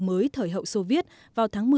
mới thời hậu soviet vào tháng một mươi